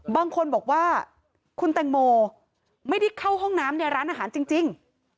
บางคนบอกว่าคุณแตงโมไม่ได้เข้าห้องน้ำในร้านอาหารจริง